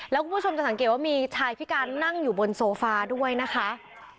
แล้วคุณผู้ชมจะสังเกตว่ามีชายพิการนั่งอยู่บนโซฟาด้วยนะคะ